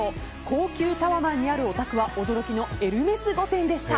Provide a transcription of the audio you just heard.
高級タワマンにあるお宅は驚きのエルメス御殿でした。